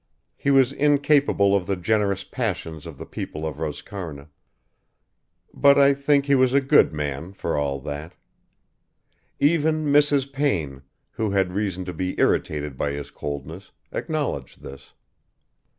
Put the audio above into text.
He was incapable of the generous passions of the people of Roscarna; but I think he was a good man, for all that. Even Mrs. Payne, who had reason to be irritated by his coldness, acknowledged this.